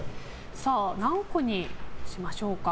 何個にしましょうか？